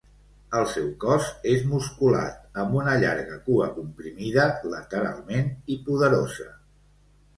El seu cos és musculat amb una llarga cua comprimida lateralment i poderosa.